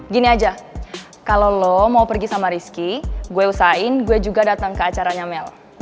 gini aja kalau lo mau pergi sama rizky gue usahain gue juga datang ke acaranya mel